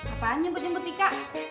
apaan nyemput nyemput tika